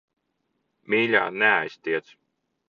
Mīļā, neaiztiec.